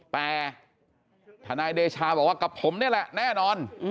แต่ทนายเดชาบอกว่ากับผมนี่แหละแน่นอน